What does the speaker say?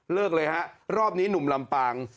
เลยฮะรอบนี้หนุ่มลำปาง